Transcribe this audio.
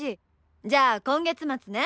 じゃあ今月末ね。